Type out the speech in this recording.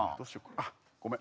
あっごめん